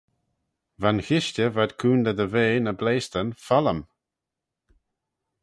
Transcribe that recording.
Va'n chishtey v'ad coontey dy ve ny bleaystan follym.